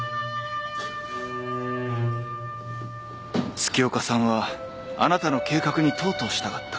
月岡さんはあなたの計画にとうとう従った。